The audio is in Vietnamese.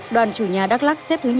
đoàn chủ nhà đắk lắc xếp thứ hai